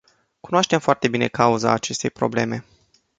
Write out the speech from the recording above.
Cunoaștem foarte bine cauza acestei probleme.